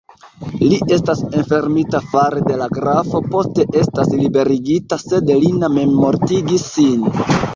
Li estas enfermita fare de la grafo, poste estas liberigita, sed Lina memmortigis sin.